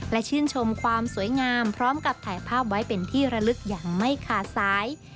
และชื่นชมความสวยงามพร้อมกับถ่ายภาพไว้เป็นที่ระลึกอย่างไม่ขาดสาย